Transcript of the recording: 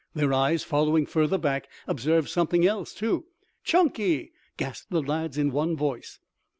Their eyes following further back, observed something else, too. "Chunky!" gasped the lads in one voice.